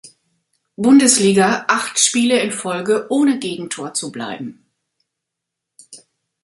Bundesliga acht Spiele in Folge ohne Gegentor zu bleiben.